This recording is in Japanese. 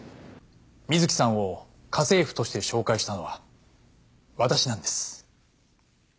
美月さんを家政婦として紹介したのは私なんです。